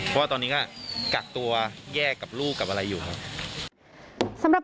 เพราะว่าตอนนี้ก็กักตัวแยกกับลูกกับอะไรอยู่ครับ